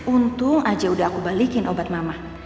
untung aja udah aku balikin obat mama